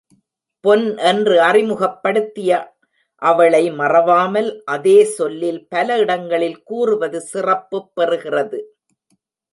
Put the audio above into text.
பொன் என்று அறிமுகப்படுத்திய அவளை மறவாமல் அதே சொல்லில் பல இடங்களில் கூறுவது சிறப்புப் பெறுகிறது.